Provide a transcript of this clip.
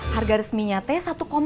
harga resminya teh satu empat